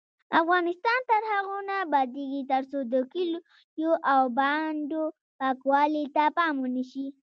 افغانستان تر هغو نه ابادیږي، ترڅو د کلیو او بانډو پاکوالي ته پام ونشي.